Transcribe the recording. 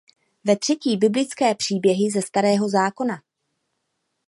Ve třetí biblické příběhy ze Starého zákona.